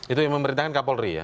itu yang memerintahkan kapolri ya